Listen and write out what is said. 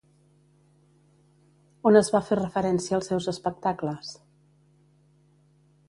On es va fer referència als seus espectacles?